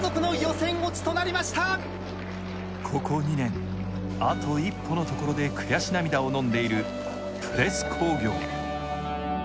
ここ２年、あと一歩のところで悔し涙をのんでいるプレス工業。